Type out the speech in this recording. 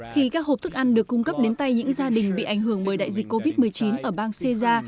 khi các hộp thức ăn được cung cấp đến tay những gia đình bị ảnh hưởng bởi đại dịch covid một mươi chín ở bang sê gia